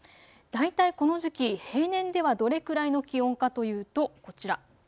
大体この時期、平年ではどれくらいの気温かというと、こちら。